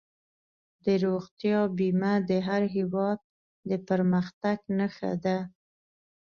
د روغتیا بیمه د هر هېواد د پرمختګ نښه ده.